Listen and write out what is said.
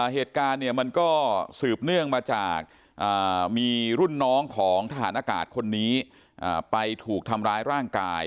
เหตุการณ์เนี่ยมันก็สืบเนื่องมาจากมีรุ่นน้องของทหารอากาศคนนี้ไปถูกทำร้ายร่างกาย